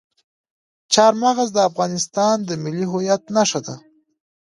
چار مغز د افغانستان د ملي هویت نښه ده.